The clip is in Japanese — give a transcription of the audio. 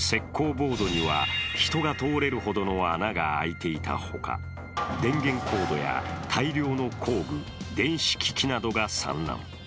ボードには人が通れるほどの穴が開いていたほか電源コードや大量の工具、電子機器などが散乱。